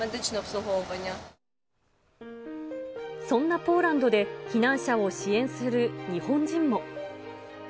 そんなポーランドで、避難者を支援する日本人も。